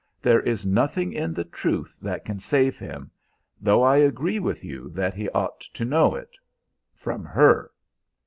There is nothing in the truth that can save him, though I agree with you that he ought to know it from her."